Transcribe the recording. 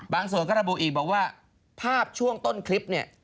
ส่วนก็ระบุอีกบอกว่าภาพช่วงต้นคลิปเนี่ย